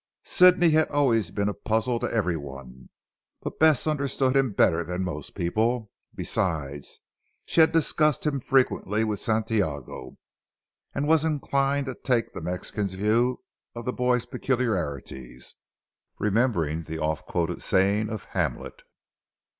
Sidney had always been a puzzle to everyone, but Bess understood him better than most people. Besides she had discussed him frequently with Santiago, and was inclined to take the Mexican's view of the boy's peculiarities. Remembering the oft quoted saying of Hamlet.